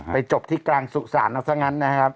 ไปจบที่กลางสู่สารแล้วซะงั้นนะครับ